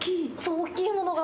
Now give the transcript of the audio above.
大きいものが。